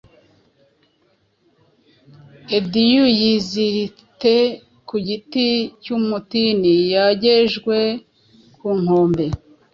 Odyeu yizirite ku giti cy'umutiniYogejwe ku nkombe